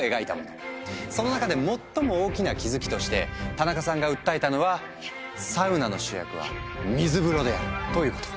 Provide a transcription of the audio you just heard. その中で最も大きな気付きとしてタナカさんが訴えたのは「サウナの主役は水風呂である」ということ。